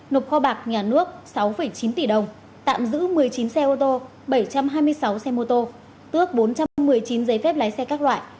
nộp kho bạc nhà nước sáu chín tỷ đồng tạm giữ một mươi chín xe ô tô bảy trăm hai mươi sáu xe mô tô tước bốn trăm một mươi chín giấy phép lái xe các loại